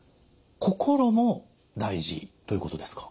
心も大事ということですか。